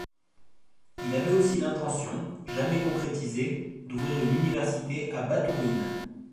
Il avait aussi l'intention - jamais concrétisée - d'ouvrir une université à Batourine.